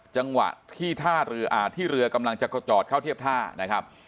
จังหวะที่ท่าเรืออ่าที่เรือกำลังจะจอดเข้าเทียบท่านะครับ